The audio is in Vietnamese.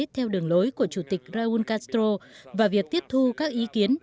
theo đường lối của chủ tịch raúl castro và việc tiếp thu các ý kiến